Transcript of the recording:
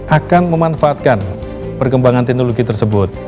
akan memanfaatkan perkembangan teknologi tersebut